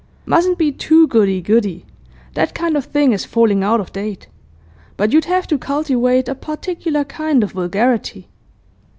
Mustn't be too goody goody; that kind of thing is falling out of date. But you'd have to cultivate a particular kind of vulgarity.